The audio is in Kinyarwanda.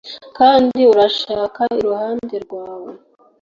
kandi uranshaka iruhande rwawe